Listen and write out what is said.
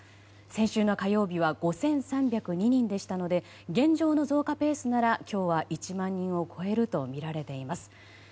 先週の火曜日は５３０２人でしたので現状の増加ペースなら今日は１万人を超えるとみられています。